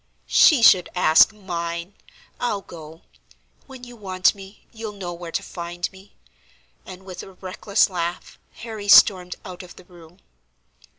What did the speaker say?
"She should ask mine! I'll go. When you want me, you'll know where to find me." And, with a reckless laugh, Harry stormed out of the room.